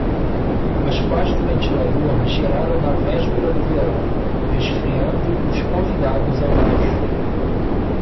As pás do ventilador giraram na véspera do verão, resfriando os convidados abaixo.